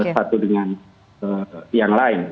satu dengan yang lain